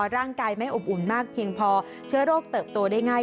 ร่างกายไม่อบอุ่นมากเพียงพอเชื้อโรคเติบโตได้ง่าย